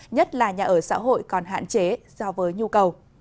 nhất là nhà ở xã hội còn hạn chế so với nhu cầu